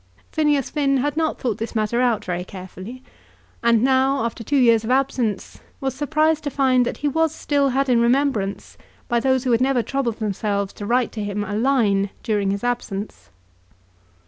Phineas Finn had not thought this matter out very carefully, and now, after two years of absence, he was surprised to find that he was still had in remembrance by those who had never troubled themselves to write to him a line during his absence.